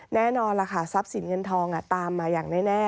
แน่นอนล่ะค่ะทรัพย์สินเงินทองตามมาอย่างแน่